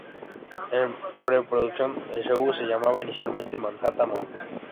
En pre-producción, el show se llamaba inicialmente "Manhattan Moms".